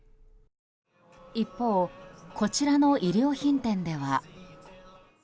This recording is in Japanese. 一方、こちらの衣料品店では。